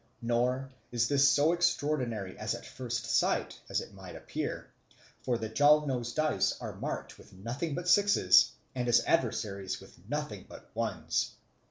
Nor is this so extraordinary as at first sight it might appear; for the Jalno's dice are marked with nothing but sixes and his adversary's with nothing but ones.